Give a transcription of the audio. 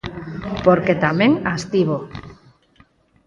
Porque tamén as tivo.